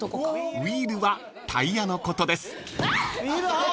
［ウィールはタイヤのことです］あっ！